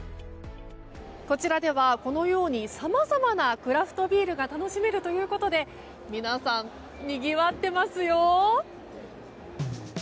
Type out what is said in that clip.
こちらでは、このようにさまざまなクラフトビールが楽しめるということで皆さん、にぎわっていますよ！